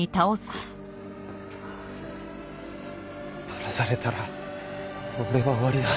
バラされたら俺は終わりだ。